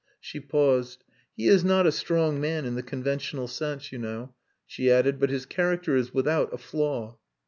She paused. "He is not a strong man in the conventional sense, you know," she added. "But his character is without a flaw."